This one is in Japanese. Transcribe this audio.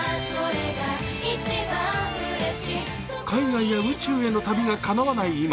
海外や宇宙への旅がかなわない